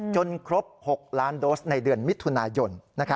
ครบ๖ล้านโดสในเดือนมิถุนายน